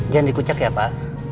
jangan dikucak ya pak